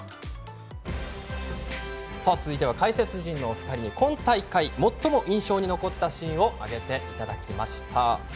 続いては解説陣のお二人に今大会最も印象に残ったシーンを挙げていただきました。